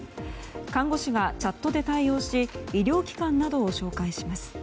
看護師がチャットで対応し医療機関などを紹介します。